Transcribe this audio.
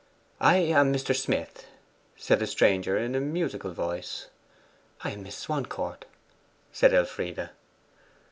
'I am Mr. Smith,' said the stranger in a musical voice. 'I am Miss Swancourt,' said Elfride.